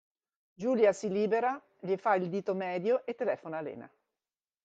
Julia si libera, gli fa il dito medio e telefona a Lena.